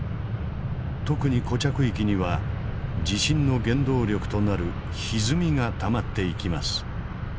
特に固着域には地震の原動力となるひずみがたまっていきます。